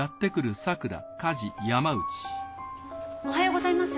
おはようございます。